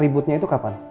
ributnya itu kapan